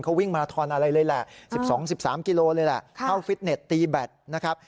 เขาวิ่งมาราทอนอะไรเลยแหละ๑๒๑๓กิโลเลยแหละเข้าฟิตเน็ตตีแบตนะครับ